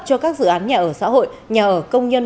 cho các dự án nhà ở xã hội nhà ở công nhân